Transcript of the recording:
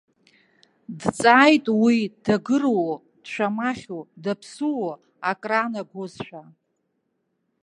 Дҵааит, уи дагыруоу, дшәамахьу, даԥсыуоу акраанагозшәа.